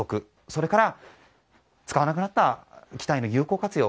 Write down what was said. それから使わなくなった機体の有効活用